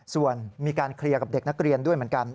ส่วนมีการเคลียร์กับเด็กนักเรียนด้วยเหมือนกัน